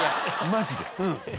マジで。